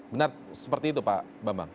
benar seperti itu pak bambang